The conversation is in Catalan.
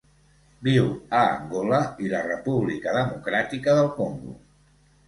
Viu a Angola i la República Democràtica del Congo.